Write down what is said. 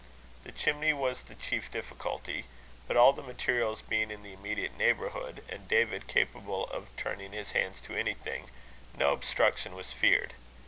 The chimney was the chief difficulty; but all the materials being in the immediate neighbourhood, and David capable of turning his hands to anything, no obstruction was feared.